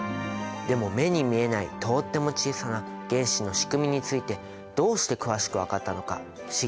でも目に見えないとっても小さな原子の仕組みについてどうして詳しく分かったのか不思議ですよね。